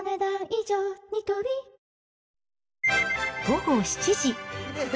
午後７時。